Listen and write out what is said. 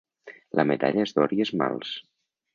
La medalla és d'or i esmalts.